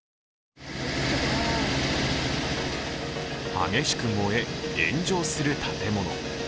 激しく燃え炎上する建物。